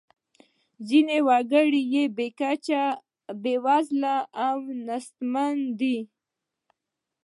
ځینې وګړي بې کچې بیوزله او نیستمن دي.